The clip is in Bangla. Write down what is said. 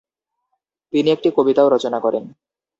তিনি একটি কবিতাও রচনা করেন।